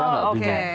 orang gak kelihatan